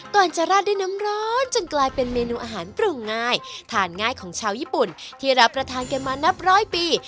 ก่อนจะราดด้วยน้ำร้อนจนกลายเป็นเมนูอาหารปรุงง่ายทานง่ายของชาวญี่ปุ่นที่รับประทานกันมานับร้อยปี